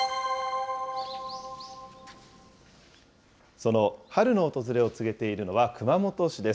その春の訪れを告げているのは、熊本市です。